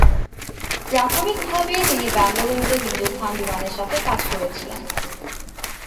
প্রাথমিকভাবে, তিনি বেঙ্গালুরুতে হিন্দুস্থান বিমানের সাথে কাজ করেছিলেন।